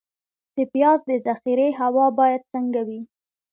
د پیاز د ذخیرې هوا باید څنګه وي؟